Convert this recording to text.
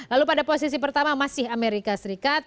lalu pada posisi pertama masih amerika serikat